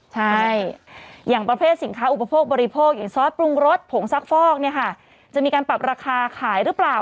ใช่อย่างประเภทสินค้าอุปโภคบริโภคอย่างซอสปรุงรสผงซักฟอกเนี่ยค่ะจะมีการปรับราคาขายหรือเปล่า